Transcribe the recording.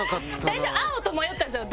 最初青と迷ったんですよ